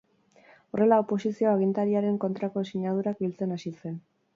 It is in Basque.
Horrela, oposizioa agintariaren kontrako sinadurak biltzen hasi zen.